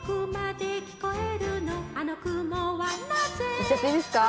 いっちゃっていいですか？